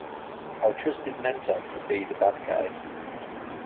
Our trusted mentor could be the bad guy.